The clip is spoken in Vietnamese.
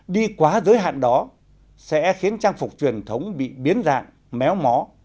đi quá giới hạn đó sẽ khiến trang phục truyền thống bị biến dạng méo mó